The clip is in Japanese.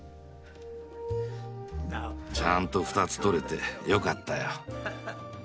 ちゃんと２つ取れてよかったよ。